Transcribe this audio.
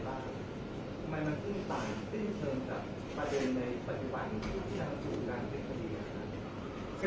ทำไมมันขึ้นต่างสิ้นเชิงกับประเด็นในปัจจุบันที่นักงานเป็นคดีนะครับ